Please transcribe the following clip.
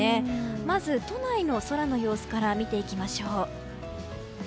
まず、都内の空の様子から見ていきましょう。